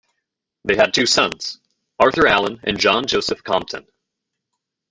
They had two sons, Arthur Alan and John Joseph Compton.